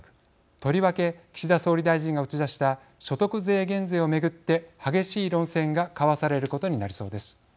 とりわけ岸田総理大臣が打ち出した所得税減税を巡って激しい論戦が交わされることになりそうです。